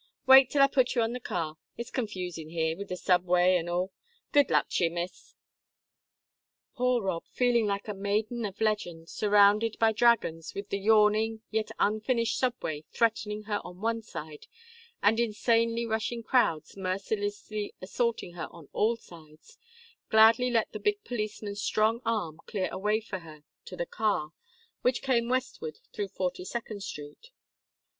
Wait, till I put ye on the car it's confusin' here, wid the subway an' all. Good luck to ye, miss." Poor Rob, feeling like a maiden of legend surrounded by dragons, with the yawning, yet unfinished, subway threatening her on one side, and insanely rushing crowds mercilessly assaulting her on all sides, gladly let the big policeman's strong arm clear a way for her to the car, which came westward through Forty second Street.